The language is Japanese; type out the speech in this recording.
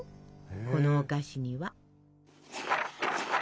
このお菓子には。